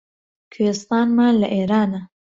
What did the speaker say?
کوێستانمان لە ئێرانە